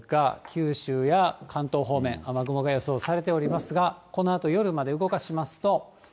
九州や関東方面、雨雲が予想されておりますが、このあと夜まで動かしますと。